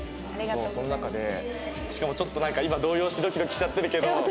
しかもちょっとなんか今動揺してドキドキしちゃってるけど。